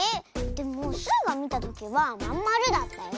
でもスイがみたときはまんまるだったよ。